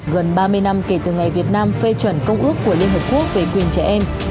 gần ba mươi năm kể từ ngày việt nam phê chuẩn công ước của liên hợp quốc về quyền trẻ em